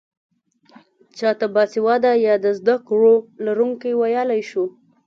چا ته باسواده يا د زده کړو لرونکی ويلی شو؟